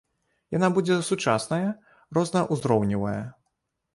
Яна будзе сучасная, рознаўзроўневая.